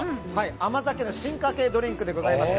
甘酒の進化形ドリンクでございます。